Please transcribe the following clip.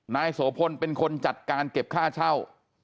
นายโสพลเป็นคนจัดการเก็บค่าเช่า